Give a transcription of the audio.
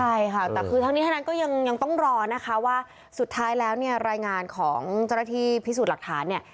ใช่ค่ะแต่คือทั้งนี้ทั้งนั้นก็ยังต้องรอนะคะว่าสุดท้ายแล้วเนี่ยรายงานของเจ้าหน้าที่พิสูจน์หลักฐานเนี่ย